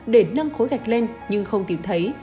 để nâng khối gạch lên nhưng không tìm thấy